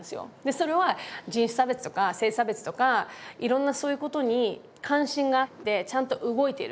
それは人種差別とか性差別とかいろんなそういうことに関心があってちゃんと動いている。